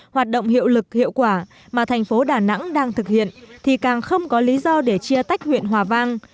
hoạt động hiệu lực hiệu quả mà thành phố đà nẵng đang thực hiện thì càng không có lý do để chia tách huyện hòa vang